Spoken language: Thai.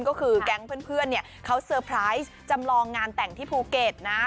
ก็คือแก๊งเพื่อนเนี่ยเขาเซอร์ไพรส์จำลองงานแต่งที่ภูเก็ตนะ